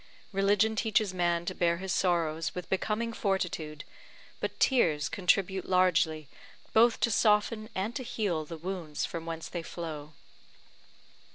Religion teaches man to bear his sorrows with becoming fortitude, but tears contribute largely both to soften and to heal the wounds from whence they flow.